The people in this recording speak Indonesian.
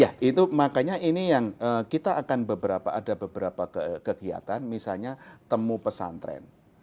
ya itu makanya ini yang kita akan ada beberapa kegiatan misalnya temu pesantren